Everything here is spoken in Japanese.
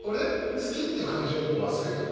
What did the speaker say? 好きっていう感情もう忘れた。